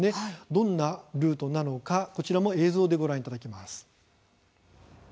どんなルートなのかこちらも映像でご覧いただきます。